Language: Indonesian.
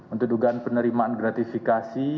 untuk dugaan penerimaan gratifikasi